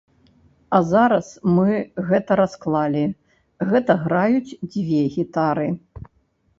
А зараз мы гэта расклалі, гэта граюць дзве гітары.